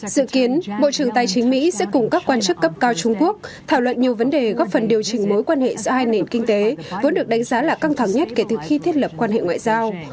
dự kiến bộ trưởng tài chính mỹ sẽ cùng các quan chức cấp cao trung quốc thảo luận nhiều vấn đề góp phần điều chỉnh mối quan hệ giữa hai nền kinh tế vốn được đánh giá là căng thẳng nhất kể từ khi thiết lập quan hệ ngoại giao